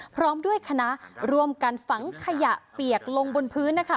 พร้อมด้วยคณะร่วมกันฝังขยะเปียกลงบนพื้นนะคะ